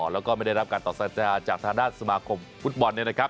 แล้วก็ไม่ได้รับการต่อสัญญาจากทางด้านสมาคมฟุตบอลเนี่ยนะครับ